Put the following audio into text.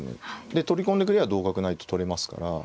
で取り込んでくれば同角成と取れますから。